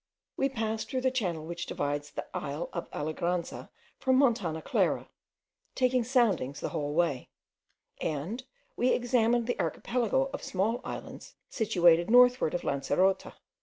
We passed through the channel which divides the isle of Alegranza from Montana Clara, taking soundings the whole way; and we examined the archipelago of small islands situated northward of Lancerota.